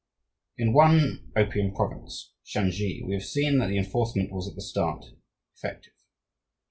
In one opium province, Shansi, we have seen that the enforcement was at the start effective.